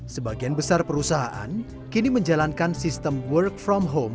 sebagian besar perusahaan kini menjalankan sistem work from home